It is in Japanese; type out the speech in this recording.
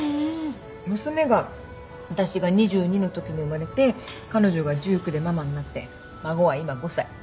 娘が私が２２のときに生まれて彼女が１９でママになって孫は今５歳。